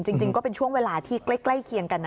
จริงก็เป็นช่วงเวลาที่ใกล้เคียงกันนะ